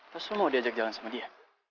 terus lo mau diajak jalan sama dia